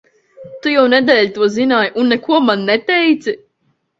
Tu jau nedēļu to zināji, un neko man neteici?